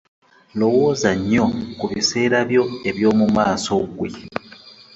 Lowooza nnyo ku biseera byo ebyomu maaso ggwe.